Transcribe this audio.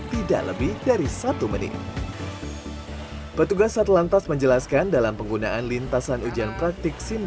tidak lebih dari satu menit petugas satlantas menjelaskan dalam penggunaan lintasan ujian praktik sim